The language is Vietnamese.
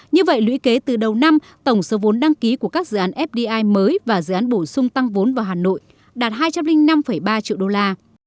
như vậy lũy kế từ đầu năm tổng số vốn đăng ký của các dự án fdi mới và dự án bổ sung tăng vốn vào hà nội đạt hai trăm linh năm ba triệu đô la